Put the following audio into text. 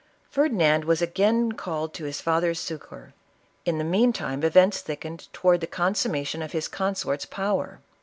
Ferdinand was again called to his father's succor. In the meantime events thickened towards the con summation of his consort's power.